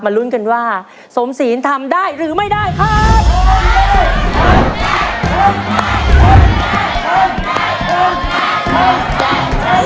ลุ้นกันว่าสมศีลทำได้หรือไม่ได้ครับ